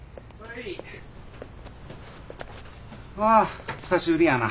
わあ久しぶりやな。